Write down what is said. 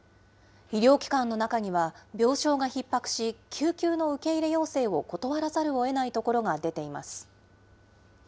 医療機関の中には、病床がひっ迫し、救急の受け入れ要請を断らざるをえない所が出ています。